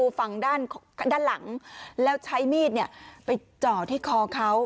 ประตูฝั่งด้านหลังแล้วใช้มีดไปเจาะที่คอเขา